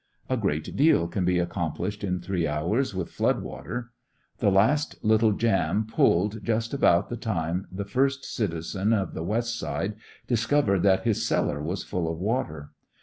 A great deal can be accomplished in three hours with flood water. The last little jam "pulled" just about the time the first citizen of the west side discovered that his cellar was full of water.